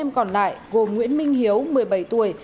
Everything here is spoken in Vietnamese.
bốn em còn lại gồm nguyễn minh hiếu một mươi bảy tuổi